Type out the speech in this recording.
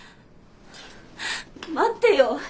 待ってよ！